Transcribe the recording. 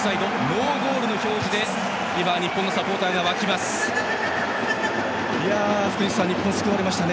ノーゴールの表示で日本のサポーターが沸きました。